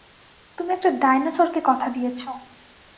তুমি একটা ডাইনোসরকে কথা দিয়েছো!